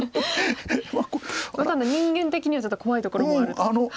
ただ人間的にはちょっと怖いところもあると。